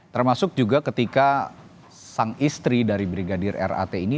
termasuk juga ketika sang istri dari brigadir rat ini